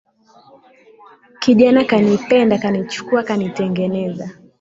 Kijana kanipenda, kanichukua kanitengeneza.